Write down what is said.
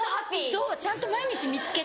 そうちゃんと毎日見つけて。